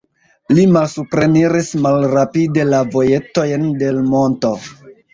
Ni malsupreniris malrapide la vojetojn de l' monto.